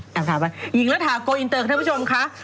อย่างงงละถากโกแอลน์อินเตย์ท่อผู้ชมค่ะ